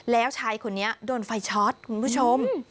แล้วชายคนนี้โดนไฟช็อตคุณผู้ชม